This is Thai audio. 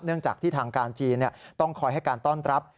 จากที่ทางการจีนต้องคอยให้การต้อนรับ